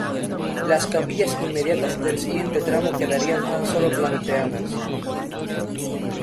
Las capillas inmediatas del siguiente tramo quedarían tan sólo planteadas.